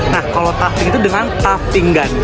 nah kalau tafting itu dengan taftingan